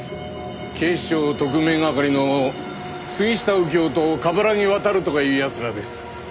警視庁特命係の杉下右京と冠城亘とかいう奴らです。